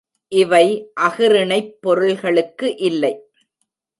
இவை அஃறிணைப் பொருள்களுக்கு இல்லை.